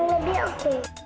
atau suka yang ini nih